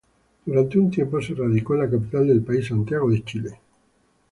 Durante un tiempo se radicó en la capital del país Santiago de Chile.